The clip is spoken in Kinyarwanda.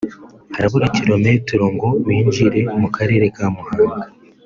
harabura kilometero ngo binjire mu Karere ka Muhanga